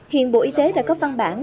hiện bộ y tế đã có văn bản